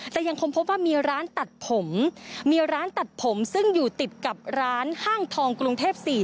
แต่ยังคงพบว่ามีร้านตัดผมซึ่งอยู่ติดกับร้านห้างทองกรุงเทพ๔